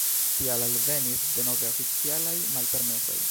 Tial alvenis denove oficialaj malpermesoj.